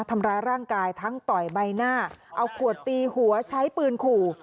ทำร้ายร่างกายทั้งต่อยใบหน้าเอาขวดตีหัวใช้ปืนขู่